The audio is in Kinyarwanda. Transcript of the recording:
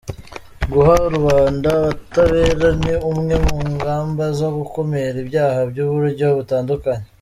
Guha rubanda ubutabera ni imwe mu ngamba zo gukumira ibyaha by’uburyo butandukanye."